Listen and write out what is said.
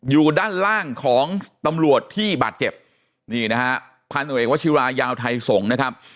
อยู่ด้านล่างของตำรวจที่บาดเจ็บนี่นะฮะพันธุเอกวชิรายาวไทยสงฆ์นะครับ